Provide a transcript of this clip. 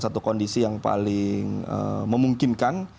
satu kondisi yang paling memungkinkan